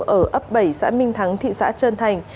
ở ấp bảy xã minh thắng thị xã trơn thành